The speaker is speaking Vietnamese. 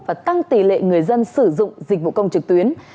và tăng tỷ lệ người dân sử dụng dịch vụ công trực tuyến